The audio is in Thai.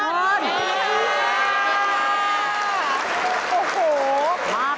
สวัสดีครับ